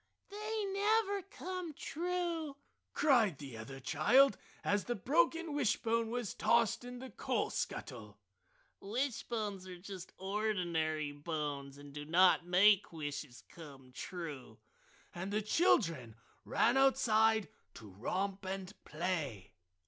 "They never come true!" cried the other child as the broken wishbone was tossed in the coal scuttle. "Wishbones are just ordinary bones and do not make wishes come true!" And the children ran outside to romp and play.